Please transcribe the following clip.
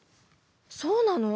そうなの？